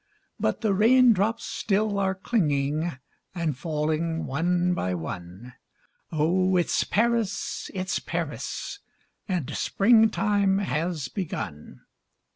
But the rain drops still are clinging And falling one by one Oh it's Paris, it's Paris, And spring time has begun.